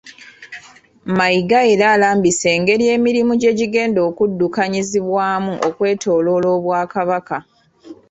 Mayiga era alambise engeri emirimu gye gigenda okuddukanyizibwamu okwetooloola Obwakabaka.